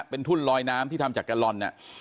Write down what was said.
เป็นทุ่นลอยน้ำที่ทำจากกาลอนเนี่ย